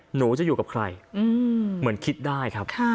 หนูจะอยู่กับใครเหมือนคิดได้ครับ